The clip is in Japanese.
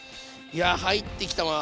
いや入ってきたわ。